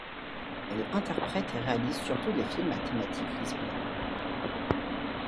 Elle interprète et réalise surtout des films à thématiques lesbiennes.